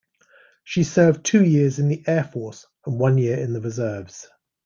She served two years in the Air Force and one year in the reserves.